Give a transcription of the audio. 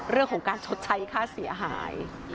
เรื่องของการชดใช้ค่าเสียหาย